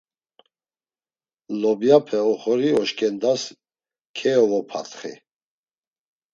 Lobyape oxori oşǩendas keyovopatxi.